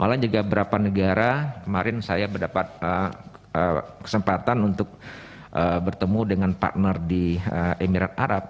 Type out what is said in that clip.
malah juga beberapa negara kemarin saya mendapat kesempatan untuk bertemu dengan partner di emirat arab